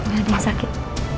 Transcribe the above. gak ada yang sakit